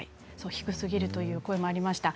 低すぎるという声がありました。